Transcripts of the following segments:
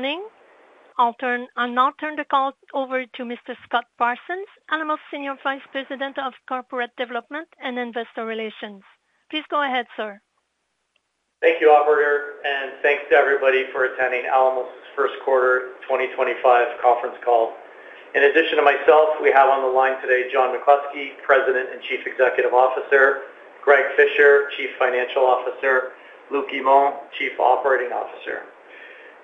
Morning. I'll now turn the call over to Mr. Scott Parsons, Alamos's Senior Vice President of Corporate Development and Investor Relations. Please go ahead, sir. Thank you, Operator, and thanks to everybody for attending Alamos Gold's First Quarter 2025 Conference Call. In addition to myself, we have on the line today John McCluskey, President and Chief Executive Officer; Greg Fisher, Chief Financial Officer; Luc Guimond, Chief Operating Officer.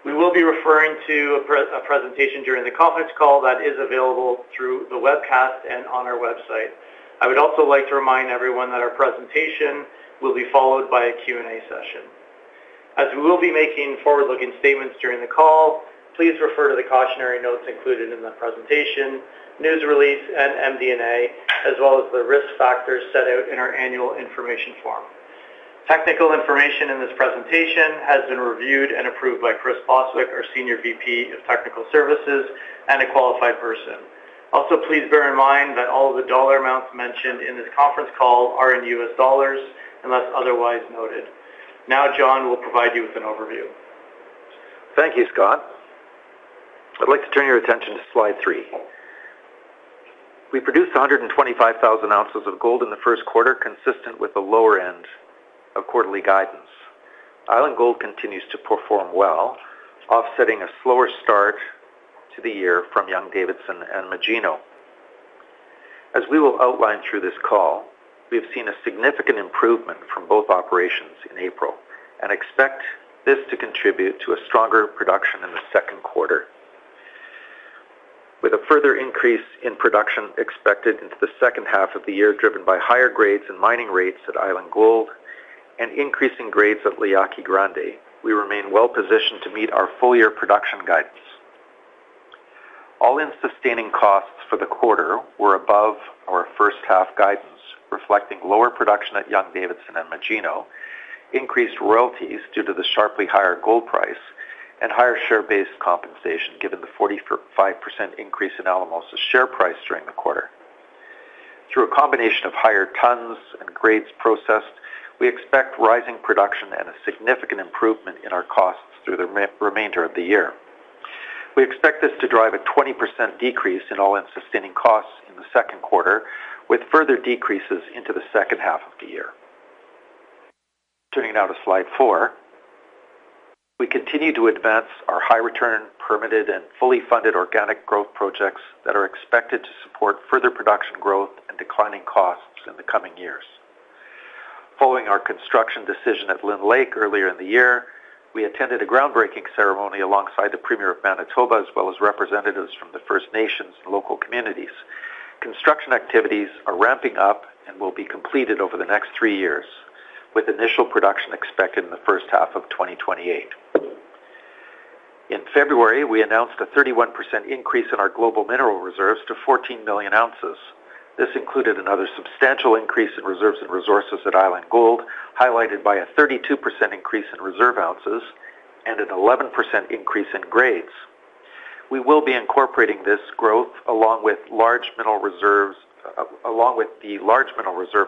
We will be referring to a presentation during the conference call that is available through the webcast and on our website. I would also like to remind everyone that our presentation will be followed by a Q&A session. As we will be making forward-looking statements during the call, please refer to the cautionary notes included in the presentation, news release, and MD&A, as well as the risk factors set out in our annual information form. Technical information in this presentation has been reviewed and approved by Chris Bostwick, our Senior VP of Technical Services, and a qualified person. Also, please bear in mind that all of the dollar amounts mentioned in this conference call are in U.S., dollars unless otherwise noted. Now, John McCluskey will provide you with an overview. Thank you, Scott Parsons. I'd like to turn your attention to slide three. We produced 125,000 ounces of gold in the first quarter, consistent with the lower end of quarterly guidance. Island Gold continues to perform well, offsetting a slower start to the year from Young-Davidson and Magino. As we will outline through this call, we have seen a significant improvement from both operations in April and expect this to contribute to a stronger production in the second quarter. With a further increase in production expected into the second half of the year driven by higher grades and mining rates at Island Gold and increasing grades at La Yaqui Grande, we remain well-positioned to meet our full-year production guidance. All-in sustaining costs for the quarter were above our first-half guidance, reflecting lower production at Young-Davidson and Magino, increased royalties due to the sharply higher gold price, and higher share-based compensation given the 45% increase in Alamos's share price during the quarter. Through a combination of higher tons and grades processed, we expect rising production and a significant improvement in our costs through the remainder of the year. We expect this to drive a 20% decrease in all-in sustaining costs in the second quarter, with further decreases into the second half of the year. Turning now to slide four, we continue to advance our high-return, permitted, and fully funded organic growth projects that are expected to support further production growth and declining costs in the coming years. Following our construction decision at Lynn Lake earlier in the year, we attended a groundbreaking ceremony alongside the Premier of Manitoba, as well as representatives from the First Nations and local communities. Construction activities are ramping up and will be completed over the next three years, with initial production expected in the first half of 2028. In February, we announced a 31% increase in our global mineral reserves to 14 million ounces. This included another substantial increase in reserves and resources at Island Gold, highlighted by a 32% increase in reserve ounces and an 11% increase in grades. We will be incorporating this growth along with large mineral reserves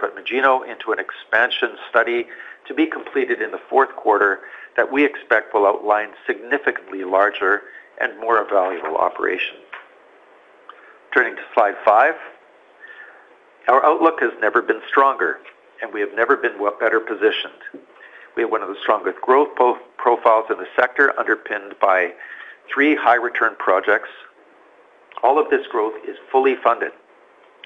at Magino into an expansion study to be completed in the fourth quarter that we expect will outline significantly larger and more valuable operations. Turning to slide five, our outlook has never been stronger, and we have never been better positioned. We have one of the strongest growth profiles in the sector, underpinned by three high-return projects. All of this growth is fully funded.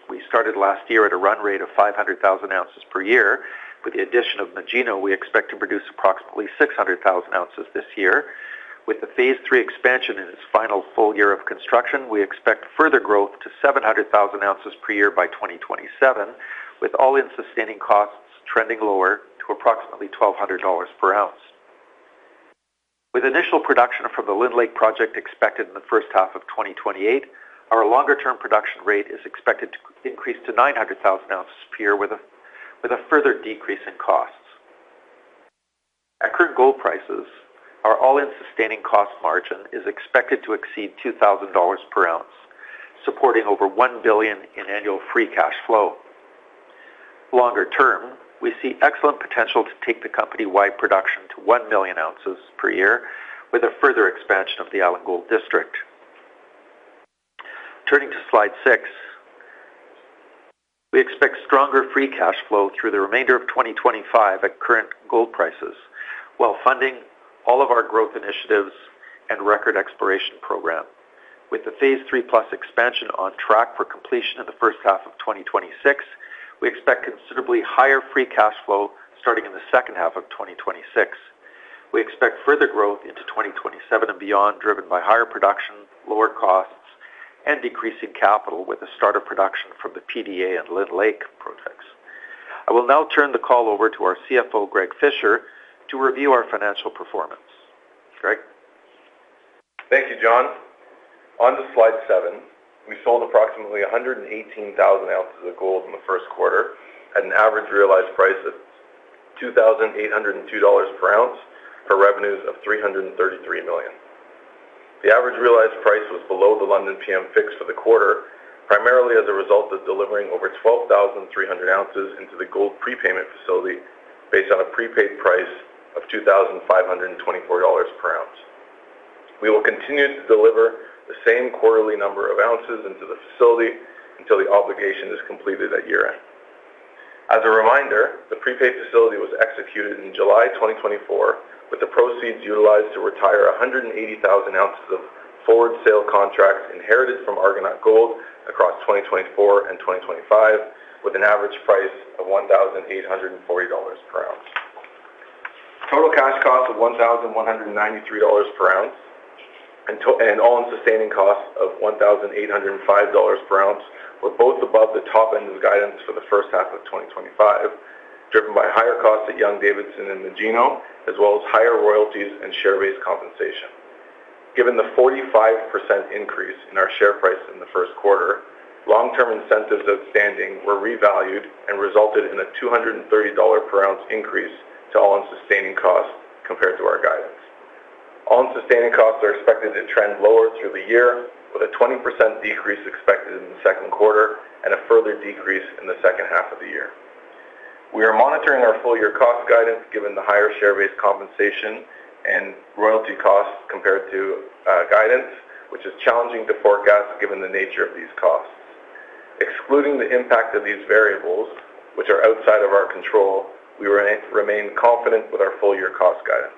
We started last year at a run rate of 500,000 ounces per year. With the addition of Magino, we expect to produce approximately 600,000 ounces this year. With the phase three expansion in its final full year of construction, we expect further growth to 700,000 ounces per year by 2027, with all-in sustaining costs trending lower to approximately $1,200 per ounce. With initial production from the Lynn Lake project expected in the first half of 2028, our longer-term production rate is expected to increase to 900,000 ounces per year, with a further decrease in costs. At current gold prices, our all-in sustaining cost margin is expected to exceed $2,000 per ounce, supporting over $1 billion in annual free cash flow. Longer term, we see excellent potential to take the company-wide production to 1 million ounces per year with a further expansion of the Island Gold District. Turning to slide six, we expect stronger free cash flow through the remainder of 2025 at current gold prices while funding all of our growth initiatives and record exploration program. With the Phase 3 Plus Expansion on track for completion in the first half of 2026, we expect considerably higher free cash flow starting in the second half of 2026. We expect further growth into 2027 and beyond driven by higher production, lower costs, and decreasing capital with the start of production from the PDA and Lynn Lake projects. I will now turn the call over to our CFO, Greg Fisher, to review our financial performance. Greg Fisher. Thank you, John McCluskey. On to slide seven. We sold approximately 118,000 ounces of gold in the first quarter at an average realized price of $2,802 per ounce for revenues of $333 million. The average realized price was below the London PM fix for the quarter, primarily as a result of delivering over 12,300 ounces into the gold prepayment facility based on a prepaid price of $2,524 per ounce. We will continue to deliver the same quarterly number of ounces into the facility until the obligation is completed at year-end. As a reminder, the prepaid facility was executed in July 2024, with the proceeds utilized to retire 180,000 ounces of forward sale contracts inherited from Argonaut Gold across 2024 and 2025, with an average price of $1,840 per ounce. Total cash cost of $1,193 per ounce and all-in sustaining costs of $1,805 per ounce were both above the top end of guidance for the first half of 2025, driven by higher costs at Young-Davidson and Magino, as well as higher royalties and share-based compensation. Given the 45% increase in our share price in the first quarter, long-term incentives outstanding were revalued and resulted in a $230 per ounce increase to all-in sustaining costs compared to our guidance. All-in sustaining costs are expected to trend lower through the year, with a 20% decrease expected in the second quarter and a further decrease in the second half of the year. We are monitoring our full-year cost guidance given the higher share-based compensation and royalty costs compared to guidance, which is challenging to forecast given the nature of these costs. Excluding the impact of these variables, which are outside of our control, we remain confident with our full-year cost guidance.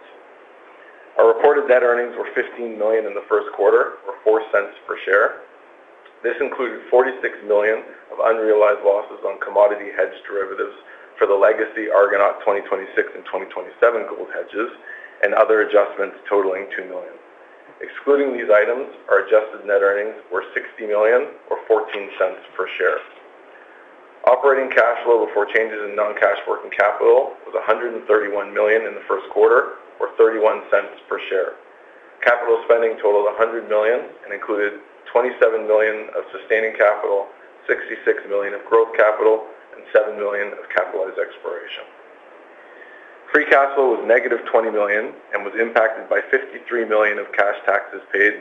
Our reported net earnings were $15 million in the first quarter, or $0.04 per share. This included $46 million of unrealized losses on commodity hedge derivatives for the legacy Argonaut 2026 and 2027 gold hedges and other adjustments totaling $2 million. Excluding these items, our adjusted net earnings were $60 million, or $0.14 per share. Operating cash flow before changes in non-cash working capital was $131 million in the first quarter, or $0.31 per share. Capital spending totaled $100 million and included $27 million of sustaining capital, $66 million of growth capital, and $7 million of capitalized exploration. Free cash flow was negative $20 million and was impacted by $53 million of cash taxes paid,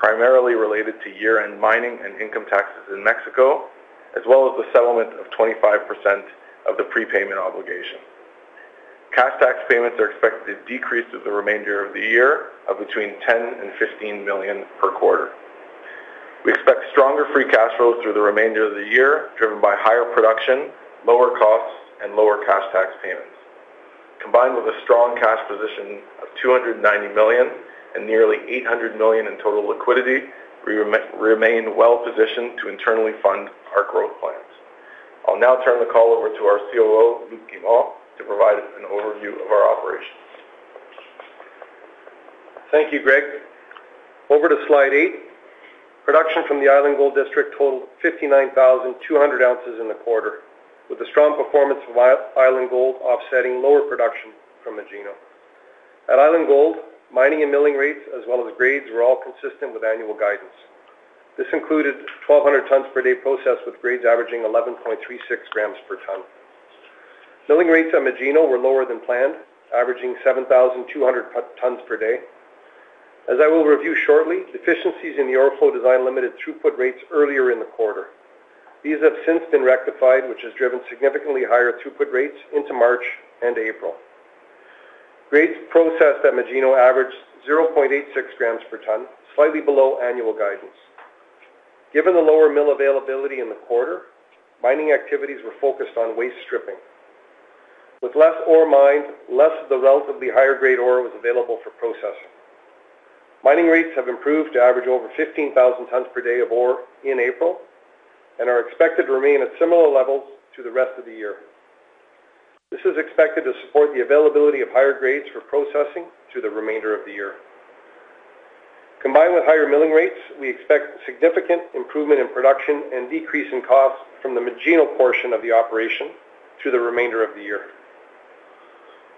primarily related to year-end mining and income taxes in Mexico, as well as the settlement of 25% of the prepayment obligation. Cash tax payments are expected to decrease through the remainder of the year to between $10 million and $15 million per quarter. We expect stronger free cash flow through the remainder of the year, driven by higher production, lower costs, and lower cash tax payments. Combined with a strong cash position of $290 million and nearly $800 million in total liquidity, we remain well-positioned to internally fund our growth plans. I'll now turn the call over to our COO, Luc Guimond, to provide an overview of our operations. Thank you, Greg Fisher. Over to slide eight. Production from the Island Gold District totaled 59,200 ounces in the quarter, with a strong performance of Island Gold offsetting lower production from Magino. At Island Gold, mining and milling rates, as well as grades, were all consistent with annual guidance. This included 1,200 tons per day processed with grades averaging 11.36 grams per ton. Milling rates at Magino were lower than planned, averaging 7,200 tons per day. As I will review shortly, deficiencies in the ore flow design limited throughput rates earlier in the quarter. These have since been rectified, which has driven significantly higher throughput rates into March and April. Grades processed at Magino averaged 0.86 grams per ton, slightly below annual guidance. Given the lower mill availability in the quarter, mining activities were focused on waste stripping. With less ore mined, less of the relatively higher-grade ore was available for processing. Mining rates have improved to average over 15,000 tons per day of ore in April and are expected to remain at similar levels through the rest of the year. This is expected to support the availability of higher grades for processing through the remainder of the year. Combined with higher milling rates, we expect significant improvement in production and decrease in costs from the Magino portion of the operation through the remainder of the year.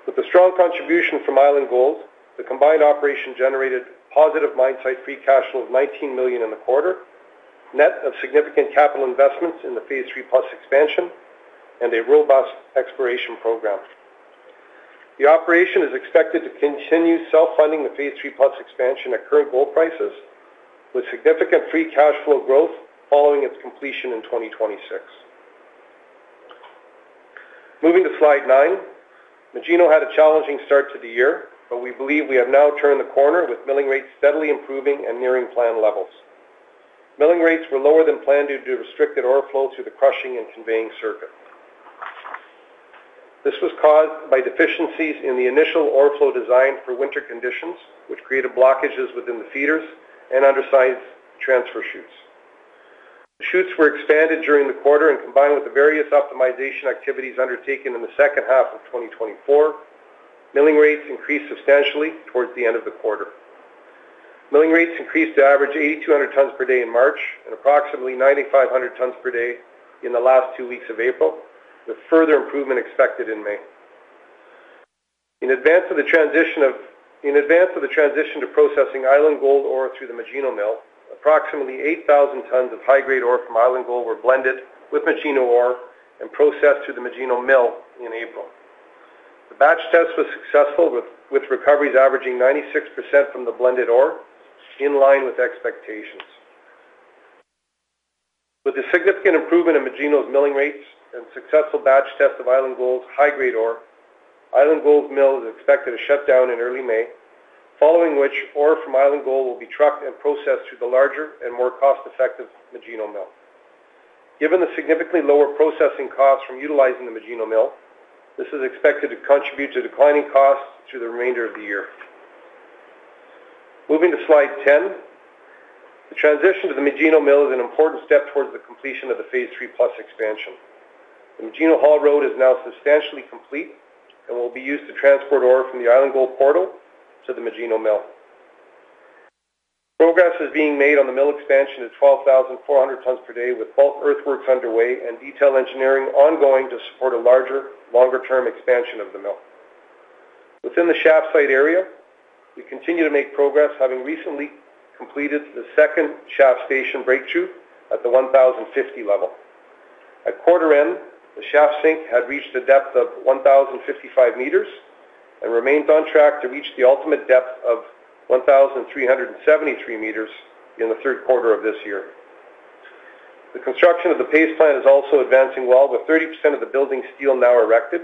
With a strong contribution from Island Gold, the combined operation generated positive mine site free cash flow of $19 million in the quarter, net of significant capital investments in the Phase 3 Plus Expansion, and a robust exploration program. The operation is expected to continue self-funding the Phase 3 Plus Expansion at current gold prices, with significant free cash flow growth following its completion in 2026. Moving to slide nine, Magino had a challenging start to the year, but we believe we have now turned the corner with milling rates steadily improving and nearing planned levels. Milling rates were lower than planned due to restricted ore flow through the crushing and conveying circuit. This was caused by deficiencies in the initial ore flow design for winter conditions, which created blockages within the feeders and undersized transfer chutes. The chutes were expanded during the quarter and combined with the various optimization activities undertaken in the second half of 2024. Milling rates increased substantially towards the end of the quarter. Milling rates increased to average 8,200 tons per day in March and approximately 9,500 tons per day in the last two weeks of April, with further improvement expected in May. In advance of the transition to processing Island Gold ore through the Magino mill, approximately 8,000 tons of high-grade ore from Island Gold were blended with Magino ore and processed through the Magino mill in April. The batch test was successful, with recoveries averaging 96% from the blended ore, in line with expectations. With the significant improvement in Magino's milling rates and successful batch test of Island Gold's high-grade ore, Island Gold's mill is expected to shut down in early May, following which ore from Island Gold will be trucked and processed through the larger and more cost-effective Magino mill. Given the significantly lower processing costs from utilizing the Magino mill, this is expected to contribute to declining costs through the remainder of the year. Moving to slide ten, the transition to the Magino mill is an important step towards the completion of the Phase 3 Plus Expansion. The Magino haul road is now substantially complete and will be used to transport ore from the Island Gold portal to the Magino mill. Progress is being made on the mill expansion to 12,400 tons per day, with both earthworks underway and detailed engineering ongoing to support a larger, longer-term expansion of the mill. Within the shaft site area, we continue to make progress, having recently completed the second shaft station breakout at the 1,050 level. At quarter end, the shaft sink had reached a depth of 1,055 meters and remained on track to reach the ultimate depth of 1,373 meters in the third quarter of this year. The construction of the paste plant is also advancing well, with 30% of the building steel now erected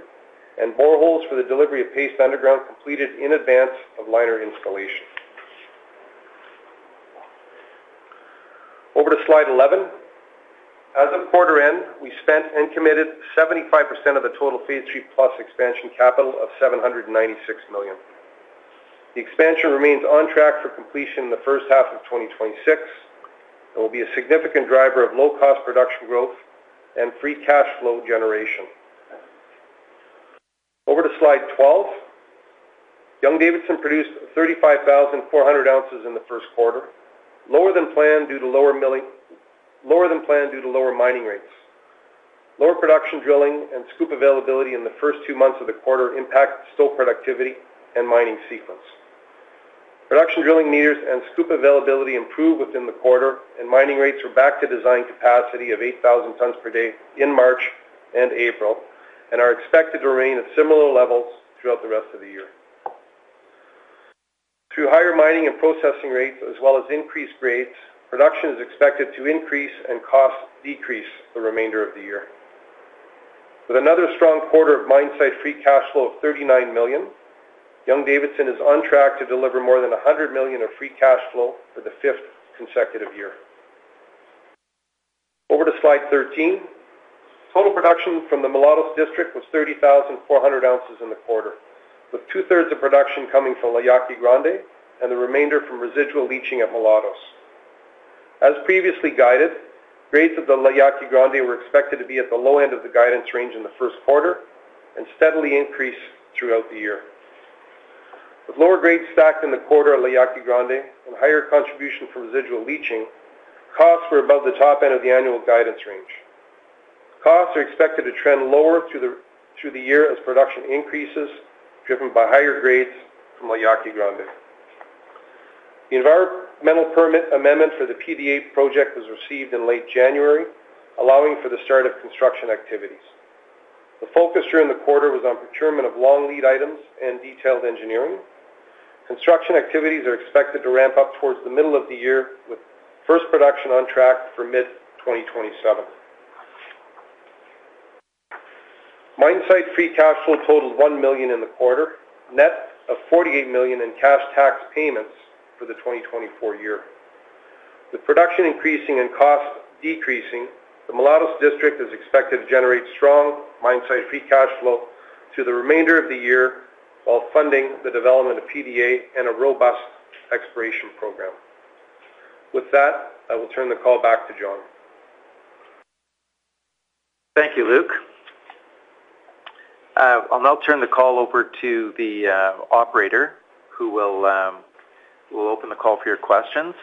and boreholes for the delivery of paste underground completed in advance of liner installation. Over to slide eleven. As of quarter end, we spent and committed 75% of the total Phase 3 Plus Expansion capital of $796 million. The expansion remains on track for completion in the first half of 2026 and will be a significant driver of low-cost production growth and free cash flow generation. Over to slide twelve. Young-Davidson produced 35,400 ounces in the first quarter, lower than planned due to lower mining rates. Lower production drilling and scoop availability in the first two months of the quarter impacted stope productivity and mining sequence. Production drilling meters and scoop availability improved within the quarter, and mining rates were back to design capacity of 8,000 tons per day in March and April and are expected to remain at similar levels throughout the rest of the year. Through higher mining and processing rates, as well as increased grades, production is expected to increase and costs decrease the remainder of the year. With another strong quarter of mine site free cash flow of $39 million, Young-Davidson is on track to deliver more than $100 million of free cash flow for the fifth consecutive year. Over to slide thirteen. Total production from the Mulatos District was 30,400 ounces in the quarter, with two-thirds of production coming from La Yaqui Grande and the remainder from residual leaching at Mulatos. As previously guided, grades of the La Yaqui Grande were expected to be at the low end of the guidance range in the first quarter and steadily increase throughout the year. With lower grades stacked in the quarter at La Yaqui Grande and higher contribution from residual leaching, costs were above the top end of the annual guidance range. Costs are expected to trend lower through the year as production increases, driven by higher grades from La Yaqui Grande. The environmental permit amendment for the PDA project was received in late January, allowing for the start of construction activities. The focus during the quarter was on procurement of long lead items and detailed engineering. Construction activities are expected to ramp up towards the middle of the year, with first production on track for mid-2027. Mine site free cash flow totaled $1 million in the quarter, net of $48 million in cash tax payments for the 2024 year. With production increasing and costs decreasing, the Mulatos District is expected to generate strong mine site free cash flow through the remainder of the year while funding the development of PDA and a robust exploration program. With that, I will turn the call back to John McCluskey. Thank you, Luc Guimond. I'll now turn the call over to the operator, who will open the call for your questions.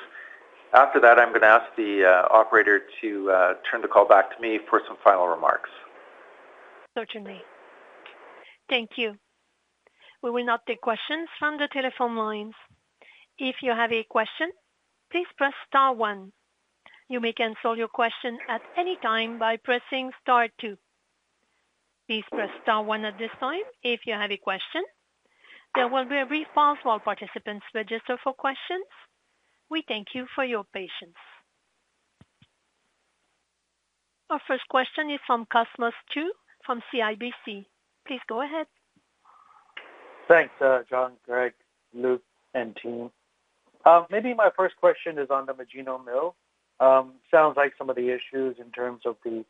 After that, I'm going to ask the operator to turn the call back to me for some final remarks. To me. Thank you. We will now take questions from the telephone lines. If you have a question, please press * one. You may cancel your question at any time by pressing * two. Please press * one at this time if you have a question. There will be a brief pause while participants register for questions. We thank you for your patience. Our first question is from Cosmos Chiu from CIBC. Please go ahead. Thanks, John McCluskey, Greg Fisher, Luc Guimond, and team. Maybe my first question is on the Magino mill. Sounds like some of the issues in terms of the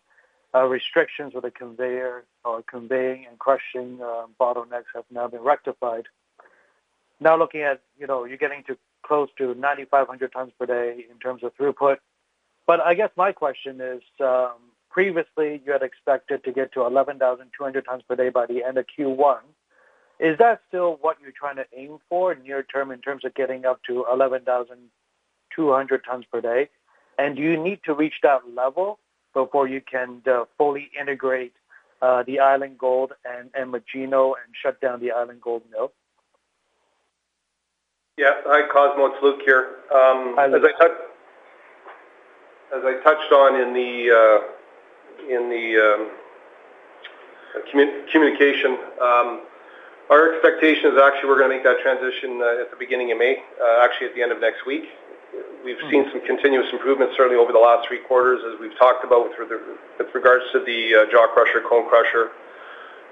restrictions with the conveyor or conveying and crushing bottlenecks have now been rectified. Now looking at, you're getting to close to 9,500 tons per day in terms of throughput. I guess my question is, previously you had expected to get to 11,200 tons per day by the end of Q1. Is that still what you're trying to aim for near term in terms of getting up to 11,200 tons per day? Do you need to reach that level before you can fully integrate the Island Gold and Magino and shut down the Island Gold mill? Yes. Hi, Cosmos. Luc Guimond here. As I touched on in the communication, our expectation is actually we're going to make that transition at the beginning of May, actually at the end of next week. We've seen some continuous improvements, certainly over the last three quarters, as we've talked about with regards to the jaw crusher, cone crusher.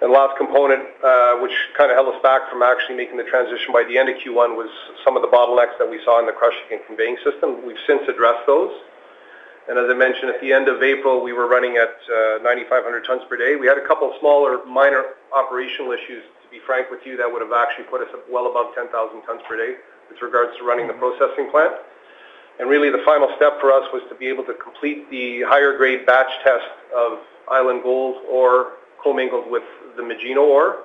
The last component, which kind of held us back from actually making the transition by the end of Q1, was some of the bottlenecks that we saw in the crushing and conveying system. We have since addressed those. As I mentioned, at the end of April, we were running at 9,500 tons per day. We had a couple of smaller minor operational issues, to be frank with you, that would have actually put us well above 10,000 tons per day with regards to running the processing plant. Really, the final step for us was to be able to complete the higher-grade batch test of Island Gold ore co-mingled with the Magino ore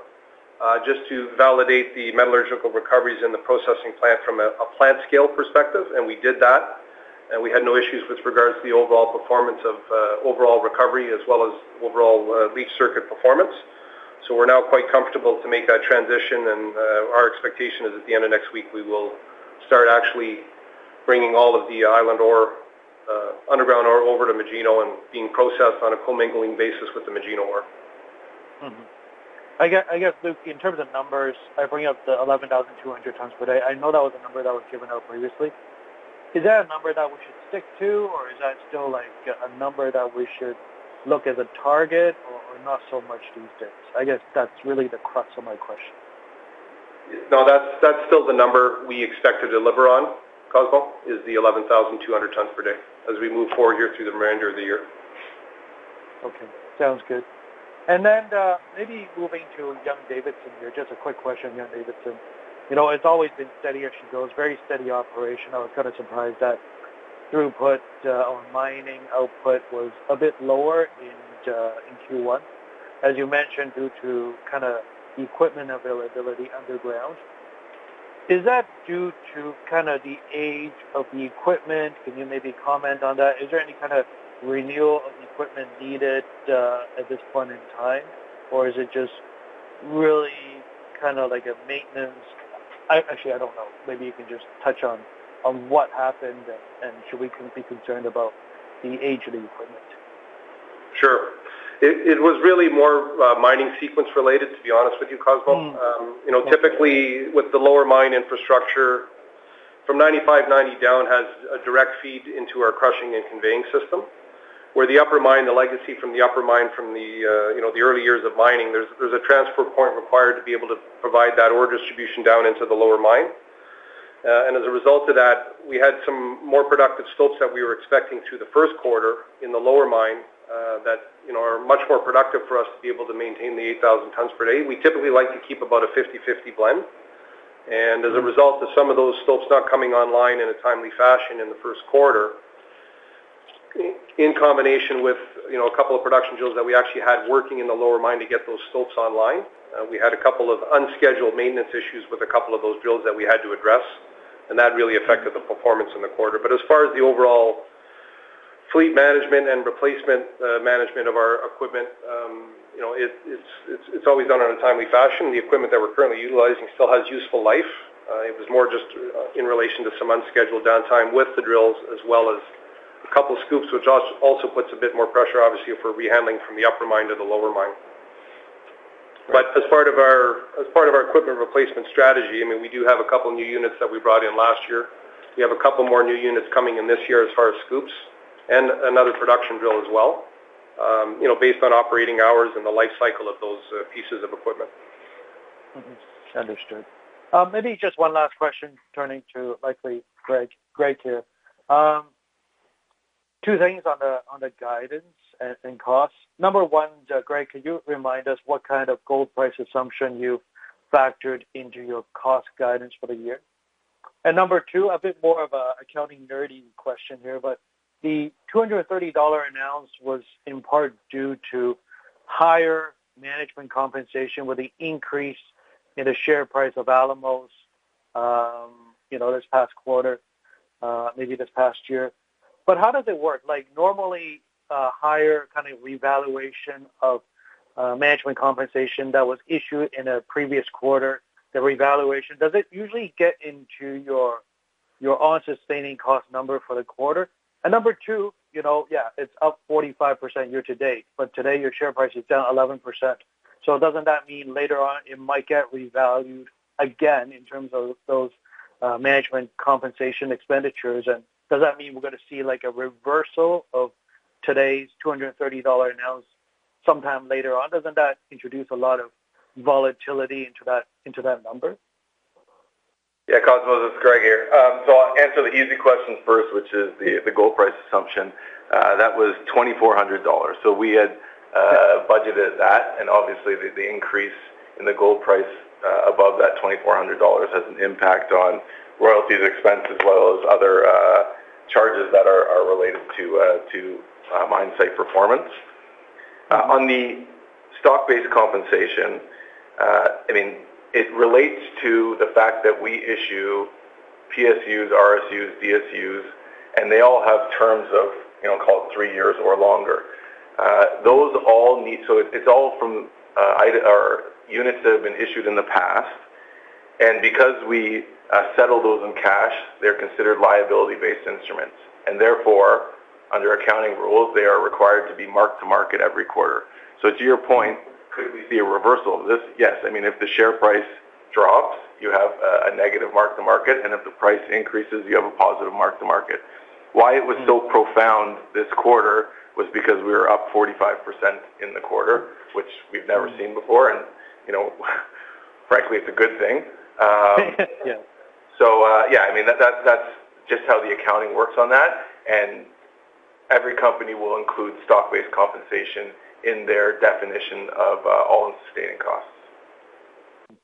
just to validate the metallurgical recoveries in the processing plant from a plant scale perspective. We did that. We had no issues with regards to the overall performance of overall recovery as well as overall leach circuit performance. We are now quite comfortable to make that transition. Our expectation is at the end of next week, we will start actually bringing all of the Island ore, underground ore, over to Magino and being processed on a co-mingling basis with the Magino ore. I guess, Luc Guimond, in terms of numbers, I bring up the 11,200 tons per day. I know that was a number that was given out previously. Is that a number that we should stick to, or is that still a number that we should look at as a target or not so much these days? I guess that is really the crux of my question. No, that's still the number we expect to deliver on, Cosmos, is the 11,200 tons per day as we move forward here through the remainder of the year. Okay. Sounds good. Maybe moving to Young-Davidson here, just a quick question, Young-Davidson. It's always been steady, as you know, very steady operation. I was kind of surprised that throughput on mining output was a bit lower in Q1, as you mentioned, due to kind of equipment availability underground. Is that due to kind of the age of the equipment? Can you maybe comment on that? Is there any kind of renewal of equipment needed at this point in time, or is it just really kind of like a maintenance? Actually, I don't know. Maybe you can just touch on what happened and should we be concerned about the age of the equipment? Sure. It was really more mining sequence related, to be honest with you, Cosmos. Typically, with the lower mine infrastructure, from 95, 90 down has a direct feed into our crushing and conveying system. Where the upper mine, the legacy from the upper mine from the early years of mining, there is a transfer point required to be able to provide that ore distribution down into the lower mine. As a result of that, we had some more productive stopes that we were expecting through the first quarter in the lower mine that are much more productive for us to be able to maintain the 8,000 tons per day. We typically like to keep about a 50/50 blend. As a result of some of those stopes not coming online in a timely fashion in the first quarter, in combination with a couple of production drills that we actually had working in the lower mine to get those stopes online, we had a couple of unscheduled maintenance issues with a couple of those drills that we had to address. That really affected the performance in the quarter. As far as the overall fleet management and replacement management of our equipment, it is always done in a timely fashion. The equipment that we are currently utilizing still has useful life. It was more just in relation to some unscheduled downtime with the drills, as well as a couple of scoops, which also puts a bit more pressure, obviously, for rehandling from the upper mine to the lower mine. As part of our equipment replacement strategy, I mean, we do have a couple of new units that we brought in last year. We have a couple more new units coming in this year as far as scoops and another production drill as well, based on operating hours and the life cycle of those pieces of equipment. Understood. Maybe just one last question turning to likely Greg Fisher here. Two things on the guidance and costs. Number one, Greg Fisher, could you remind us what kind of gold price assumption you factored into your cost guidance for the year? Number two, a bit more of an accounting nerdy question here, but the $230 announced was in part due to higher management compensation with the increase in the share price of Alamos this past quarter, maybe this past year. How does it work? Normally, higher kind of revaluation of management compensation that was issued in a previous quarter, the revaluation, does it usually get into your on-sustaining cost number for the quarter? Number two, yeah, it's up 45% year to date, but today your share price is down 11%. Doesn't that mean later on it might get revalued again in terms of those management compensation expenditures? Does that mean we're going to see a reversal of today's $230 announced sometime later on? Doesn't that introduce a lot of volatility into that number? Yeah, Cosmos, it's Greg Fisher here. I'll answer the easy question first, which is the gold price assumption. That was $2,400. We had budgeted that. Obviously, the increase in the gold price above that $2,400 has an impact on royalties expense as well as other charges that are related to mine site performance. On the stock-based compensation, I mean, it relates to the fact that we issue PSUs, RSUs, DSUs, and they all have terms of, call it, three years or longer. Those all need, so it is all from our units that have been issued in the past. And because we settle those in cash, they are considered liability-based instruments. Therefore, under accounting rules, they are required to be marked to market every quarter. To your point, could we see a reversal of this? Yes. I mean, if the share price drops, you have a negative mark to market. If the price increases, you have a positive mark to market. Why it was so profound this quarter was because we were up 45% in the quarter, which we have never seen before. Frankly, it is a good thing. Yeah, I mean, that is just how the accounting works on that. Every company will include stock-based compensation in their definition of all-in sustaining costs.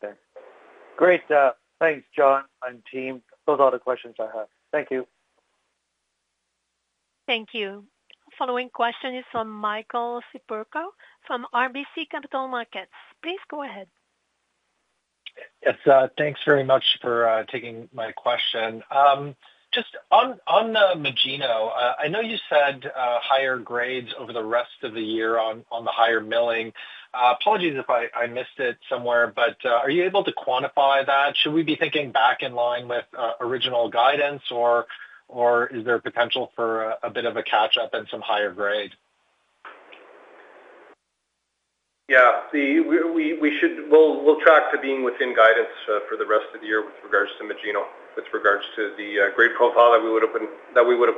Okay. Great. Thanks, John McCluskey and team. Those are the questions I have. Thank you. Thank you. Following question is from Michael Siperco from RBC Capital Markets. Please go ahead. Yes. Thanks very much for taking my question. Just on the Magino, I know you said higher grades over the rest of the year on the higher milling. Apologies if I missed it somewhere, but are you able to quantify that? Should we be thinking back in line with original guidance, or is there potential for a bit of a catch-up and some higher grade? Yeah. We will track to being within guidance for the rest of the year with regards to Magino, with regards to the grade profile that we would have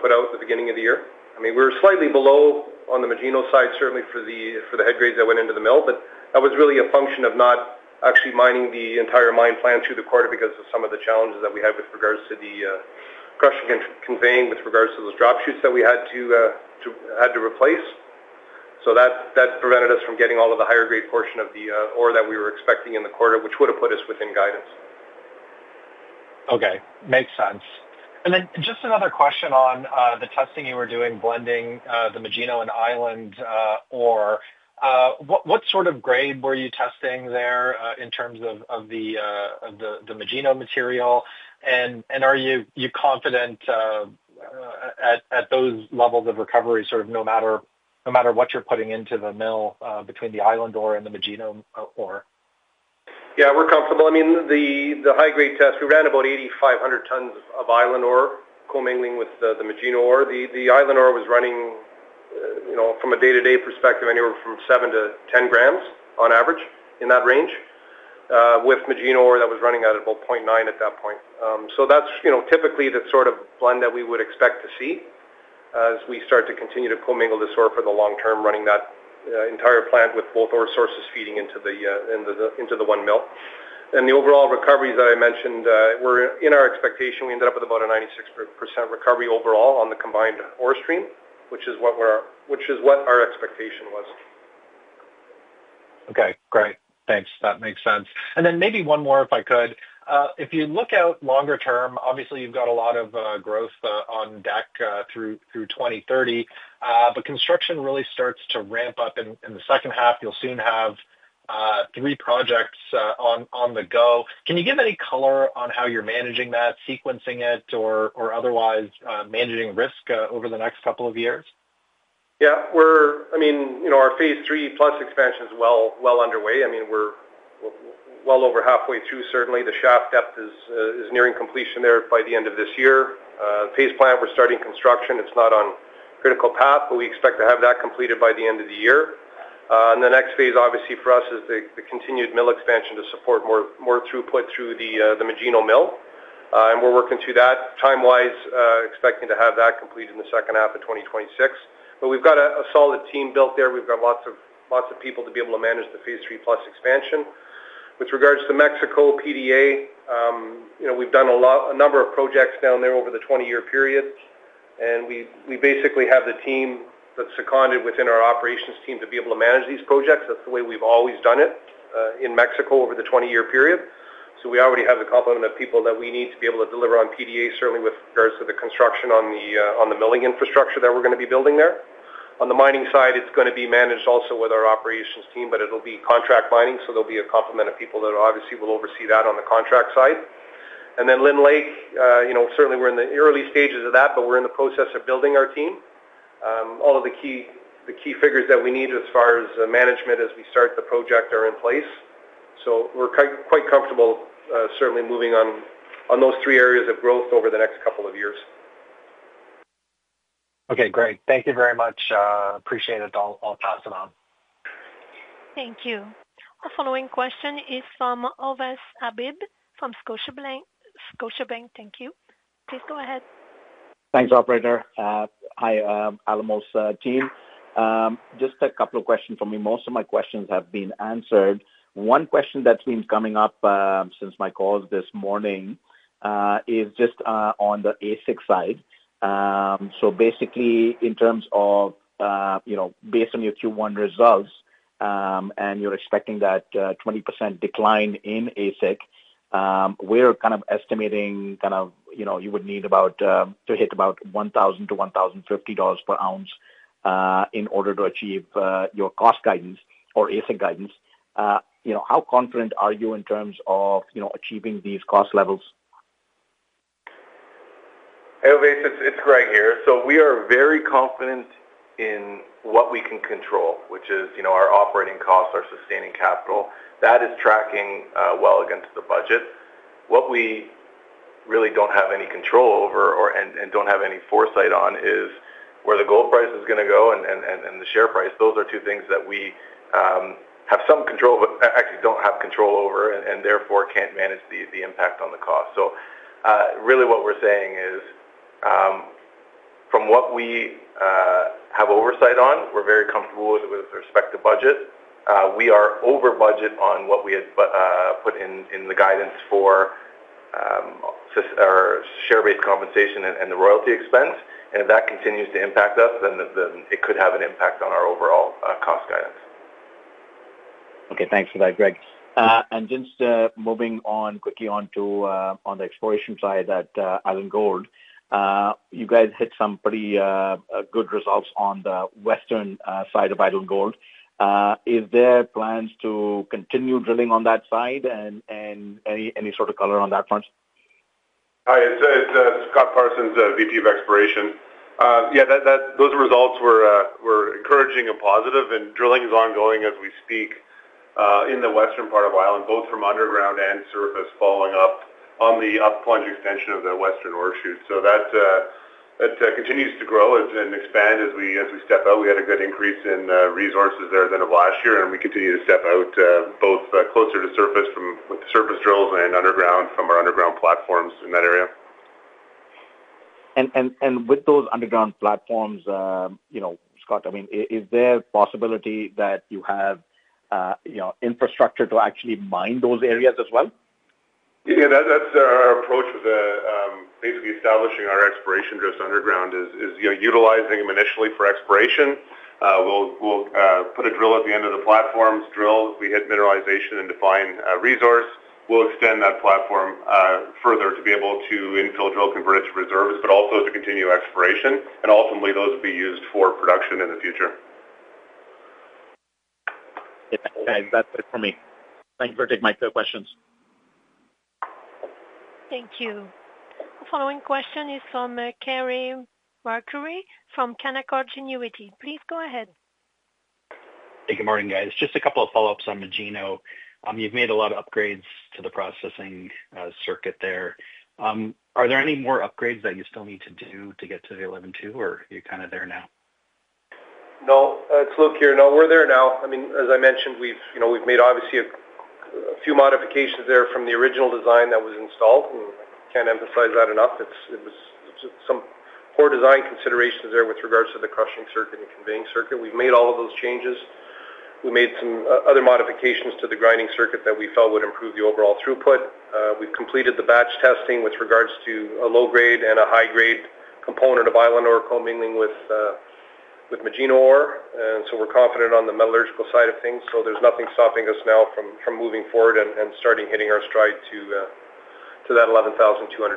put out at the beginning of the year. I mean, we were slightly below on the Magino side, certainly for the head grades that went into the mill, but that was really a function of not actually mining the entire mine plan through the quarter because of some of the challenges that we had with regards to the crushing and conveying with regards to those drop chutes that we had to replace. That prevented us from getting all of the higher grade portion of the ore that we were expecting in the quarter, which would have put us within guidance. Okay. Makes sense. Just another question on the testing you were doing, blending the Magino and Island ore. What sort of grade were you testing there in terms of the Magino material? Are you confident at those levels of recovery, sort of no matter what you're putting into the mill between the Island ore and the Magino ore? Yeah, we're comfortable. I mean, the high-grade test, we ran about 8,500 tons of Island ore co-mingling with the Magino ore. The Island ore was running, from a day-to-day perspective, anywhere from 7-10 grams on average in that range, with Magino ore that was running at about 0.9 at that point. That is typically the sort of blend that we would expect to see as we start to continue to co-mingle this ore for the long term, running that entire plant with both ore sources feeding into the one mill. The overall recoveries that I mentioned, in our expectation, we ended up with about a 96% recovery overall on the combined ore stream, which is what our expectation was. Okay. Great. Thanks. That makes sense. Maybe one more, if I could. If you look out longer term, obviously, you've got a lot of growth on deck through 2030, but construction really starts to ramp up in the second half. You'll soon have three projects on the go. Can you give any color on how you're managing that, sequencing it, or otherwise managing risk over the next couple of years? Yeah. I mean, our Phase 3 Plus Expansion is well underway. I mean, we're well over halfway through, certainly. The shaft depth is nearing completion there by the end of this year. Phase plant, we're starting construction. It's not on critical path, but we expect to have that completed by the end of the year. The next phase, obviously, for us is the continued mill expansion to support more throughput through the Magino mill. We are working through that. Time-wise, expecting to have that completed in the second half of 2026. We have a solid team built there. We have lots of people to be able to manage the Phase 3 Plus Expansion. With regards to Mexico, PDA, we have done a number of projects down there over the 20-year period. We basically have the team that is seconded within our operations team to be able to manage these projects. That is the way we have always done it in Mexico over the 20-year period. We already have the complement of people that we need to be able to deliver on PDA, certainly with regards to the construction on the milling infrastructure that we are going to be building there. On the mining side, it is going to be managed also with our operations team, but it will be contract mining. There'll be a complement of people that obviously will oversee that on the contract side. Lynn Lake, certainly, we're in the early stages of that, but we're in the process of building our team. All of the key figures that we need as far as management as we start the project are in place. We're quite comfortable, certainly, moving on those three areas of growth over the next couple of years. Okay. Great. Thank you very much. Appreciate it. I'll pass it on. Thank you. The following question is from Ovais Habib from Scotiabank. Thank you. Please go ahead. Thanks, operator. Hi, Alamos team. Just a couple of questions for me. Most of my questions have been answered. One question that's been coming up since my calls this morning is just on the AISC side. Basically, in terms of based on your Q1 results, and you're expecting that 20% decline in AISC, we're kind of estimating kind of you would need to hit about $1,000-$1,050 per ounce in order to achieve your cost guidance or AISC guidance. How confident are you in terms of achieving these cost levels? Hey, Ovais. It's Greg Fisher here. We are very confident in what we can control, which is our operating costs, our sustaining capital. That is tracking well against the budget. What we really do not have any control over and do not have any foresight on is where the gold price is going to go and the share price. Those are two things that we have some control, but actually do not have control over, and therefore cannot manage the impact on the cost. What we are saying is, from what we have oversight on, we are very comfortable with respect to budget. We are over budget on what we had put in the guidance for our share-based compensation and the royalty expense. If that continues to impact us, then it could have an impact on our overall cost guidance. Okay. Thanks for that, Greg Fisher. Just moving quickly on to the exploration side at Island Gold, you guys hit some pretty good results on the western side of Island Gold. Is there plans to continue drilling on that side and any sort of color on that front? Hi. It is Scott Parsons, VP of exploration. Yeah, those results were encouraging and positive. Drilling is ongoing as we speak in the western part of Island, both from underground and surface, following up on the upplunge extension of the western ore chute. That continues to grow and expand as we step out. We had a good increase in resources there at the end of last year, and we continue to step out both closer to surface with surface drills and underground from our underground platforms in that area. With those underground platforms, Scott Parsons, I mean, is there a possibility that you have infrastructure to actually mine those areas as well? Yeah. That is our approach with basically establishing our exploration just underground is utilizing them initially for exploration. We will put a drill at the end of the platforms, drill, we hit mineralization and define resource. We will extend that platform further to be able to infill drill, convert it to reserves, but also to continue exploration. Ultimately, those will be used for production in the future. That is it for me. Thanks for taking my questions. Thank you. The following question is from Carey MacRury from Canaccord Genuity. Please go ahead. Hey, good morning, guys. Just a couple of follow-ups on Magino. You've made a lot of upgrades to the processing circuit there. Are there any more upgrades that you still need to do to get to the 11.2, or you're kind of there now? No. It's Luc Guimond here. No, we're there now. I mean, as I mentioned, we've made obviously a few modifications there from the original design that was installed. I can't emphasize that enough. It was some poor design considerations there with regards to the crushing circuit and conveying circuit. We've made all of those changes. We made some other modifications to the grinding circuit that we felt would improve the overall throughput. We've completed the batch testing with regards to a low-grade and a high-grade component of Island ore co-mingling with Magino ore. We're confident on the metallurgical side of things. There's nothing stopping us now from moving forward and starting hitting our stride to that 11,200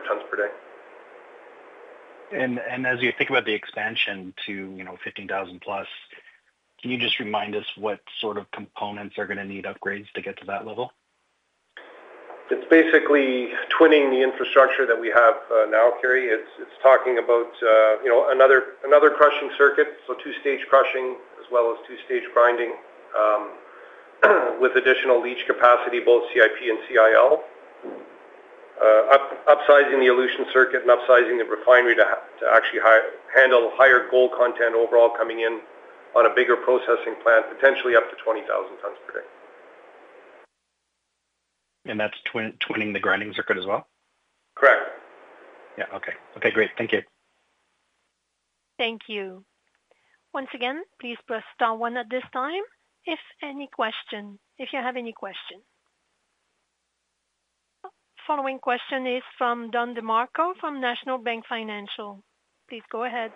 tons per day. As you think about the expansion to 15,000 plus, can you just remind us what sort of components are going to need upgrades to get to that level? It's basically twinning the infrastructure that we have now, Carey. It's talking about another crushing circuit, so two-stage crushing as well as two-stage grinding with additional leach capacity, both CIP and CIL. Upsizing the elution circuit and upsizing the refinery to actually handle higher gold content overall coming in on a bigger processing plant, potentially up to 20,000 tons per day. That's twinning the grinding circuit as well? Correct. Yeah. Okay. Okay. Great. Thank you. Thank you. Once again, please press * one at this time if you have any question. Following question is from Don DeMarco from National Bank Financial. Please go ahead.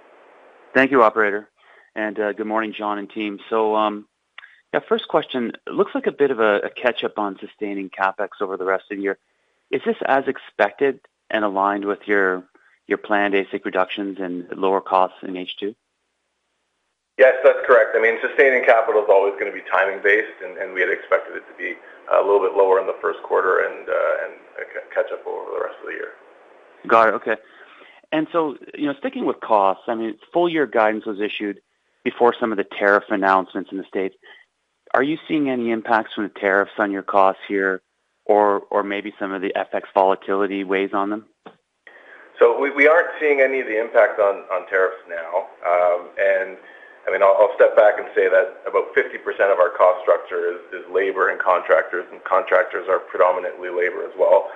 Thank you, operator. Good morning, John McCluskey and team. Yeah, first question. Looks like a bit of a catch-up on sustaining CapEx over the rest of the year. Is this as expected and aligned with your planned AISC reductions and lower costs in H2? Yes, that's correct. I mean, sustaining capital is always going to be timing-based, and we had expected it to be a little bit lower in the first quarter and catch-up over the rest of the year. Got it. Okay. Sticking with costs, I mean, full-year guidance was issued before some of the tariff announcements in the States. Are you seeing any impacts from the tariffs on your costs here or maybe some of the FX volatility weighs on them? We aren't seeing any of the impact on tariffs now. I mean, I'll step back and say that about 50% of our cost structure is labor and contractors, and contractors are predominantly labor as well.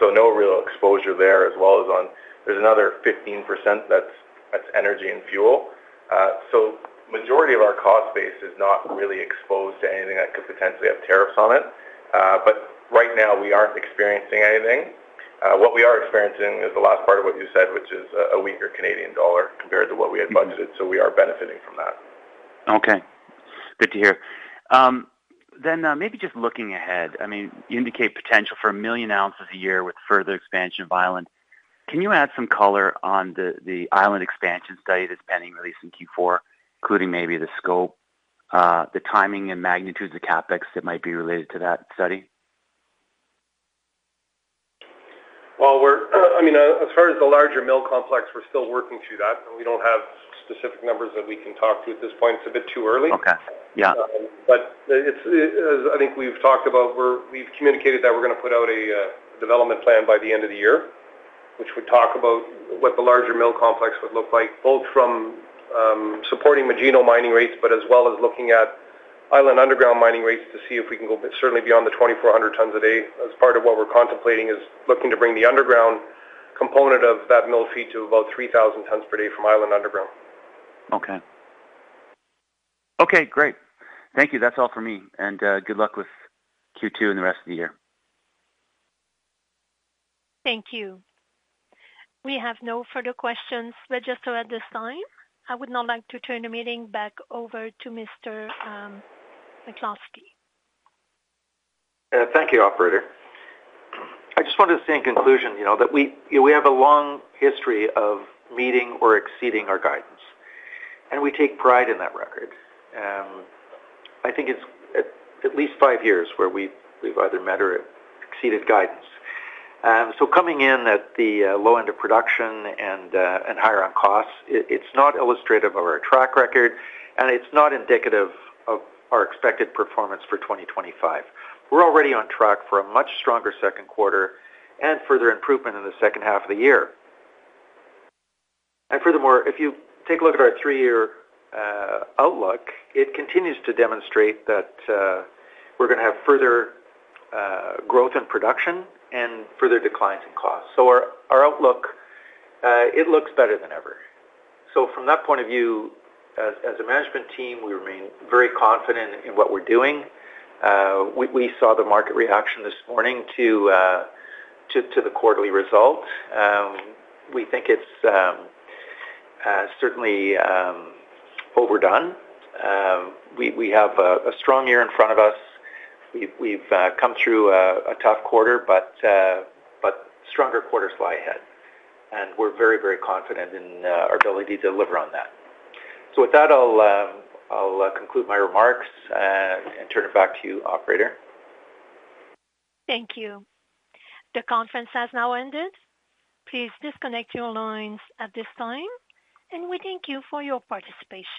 No real exposure there, as well as there's another 15% that's energy and fuel. The majority of our cost base is not really exposed to anything that could potentially have tariffs on it. Right now, we aren't experiencing anything. What we are experiencing is the last part of what you said, which is a weaker Canadian dollar compared to what we had budgeted. We are benefiting from that. Okay. Good to hear. Maybe just looking ahead, I mean, you indicate potential for a million ounces a year with further expansion of Island. Can you add some color on the Island expansion study that's pending release in Q4, including maybe the scope, the timing, and magnitudes of CapEx that might be related to that study? I mean, as far as the larger mill complex, we're still working through that. We don't have specific numbers that we can talk to at this point. It's a bit too early. I think we've talked about we've communicated that we're going to put out a development plan by the end of the year, which would talk about what the larger mill complex would look like, both from supporting Magino mining rates, but as well as looking at Island underground mining rates to see if we can go certainly beyond the 2,400 tons a day. As part of what we're contemplating is looking to bring the underground component of that mill feed to about 3,000 tons per day from Island underground. Okay. Okay. Great. Thank you. That's all for me. Good luck with Q2 and the rest of the year. Thank you. We have no further questions, registered, at this time. I would now like to turn the meeting back over to John McCluskey. Thank you, operator. I just wanted to say in conclusion that we have a long history of meeting or exceeding our guidance, and we take pride in that record. I think it's at least five years where we've either met or exceeded guidance. Coming in at the low end of production and higher on costs is not illustrative of our track record, and it's not indicative of our expected performance for 2025. We're already on track for a much stronger second quarter and further improvement in the second half of the year. Furthermore, if you take a look at our three-year outlook, it continues to demonstrate that we're going to have further growth in production and further declines in costs. Our outlook, it looks better than ever. From that point of view, as a management team, we remain very confident in what we're doing. We saw the market reaction this morning to the quarterly results. We think it's certainly overdone. We have a strong year in front of us. We've come through a tough quarter, but stronger quarters lie ahead. We're very, very confident in our ability to deliver on that. With that, I'll conclude my remarks and turn it back to you, operator. Thank you. The conference has now ended. Please disconnect your lines at this time, and we thank you for your participation.